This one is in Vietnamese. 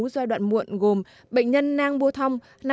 giai đoạn muộn gồm bệnh nhân nang bua thong